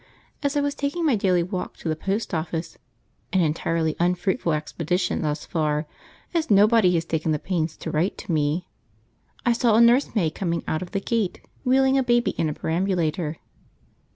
As I was taking my daily walk to the post office (an entirely unfruitful expedition thus far, as nobody has taken the pains to write to me) I saw a nursemaid coming out of the gate, wheeling a baby in a perambulator.